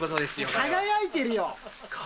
輝いてるよ。